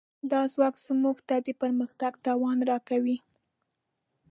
دا ځواک موږ ته د پرمختګ توان راکوي.